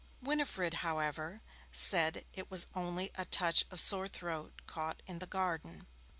Winifred, however, said it was only a touch of sore throat caught in the garden.